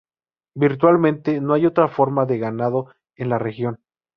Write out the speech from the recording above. Virtualmente no hay otra forma de ganado en la región.